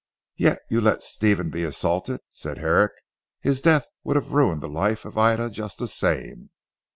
"Yet you let Stephen be assaulted," said Herrick, "his death would have ruined the life of Ida just the same."